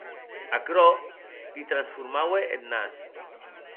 Aquerò li transformaue eth nas.